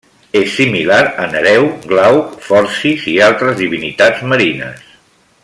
És similar a Nereu, Glauc, Forcis, i altres divinitats marines.